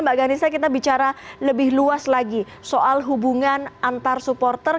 mbak ghanisa kita bicara lebih luas lagi soal hubungan antar supporter